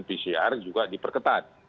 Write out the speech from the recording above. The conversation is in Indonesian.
pcr juga diperketat